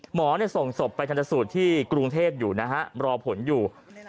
หมอส่งศพไปทันทรศูนย์ที่กรุงเทพฯรอผลอยู่